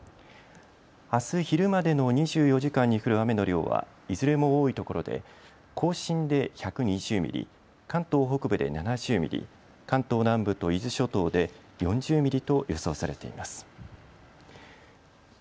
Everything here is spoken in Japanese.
あす昼までの２４時間に降る雨の量はいずれも多いところで甲信で１２０ミリ、関東北部で７０ミリ、関東南部と伊豆諸島で４０ミリと予想されています。